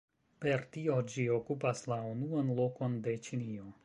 Per tio ĝi okupas la unuan lokon de Ĉinio.